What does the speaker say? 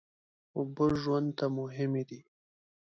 اوبه ژوند ته مهمې دي.